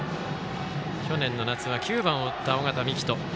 去年の夏は９番を打った尾形樹人。